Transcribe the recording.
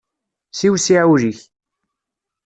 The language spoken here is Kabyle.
Siwsiɛ ul-ik.